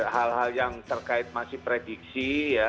hal hal yang terkait masih prediksi ya